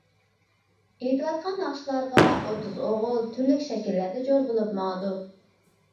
ئېيتىۋاتقان ناخشىلارغا ئوتتۇز ئوغۇل تۈرلۈك شەكىللەردە جور بولۇپ ماڭىدۇ.